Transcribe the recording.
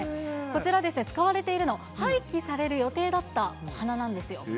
こちら、使われているの、廃棄される予定だったお花なんですよ。